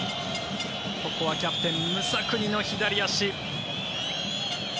ここはキャプテン、ムサクニの左足。